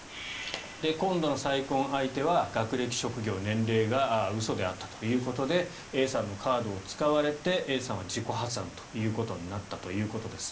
今度の再婚相手は学歴、職業、年齢が嘘であったということでＡさんのカードを使われてＡさんは自己破産となったということです。